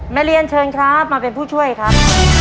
เรียนเชิญครับมาเป็นผู้ช่วยครับ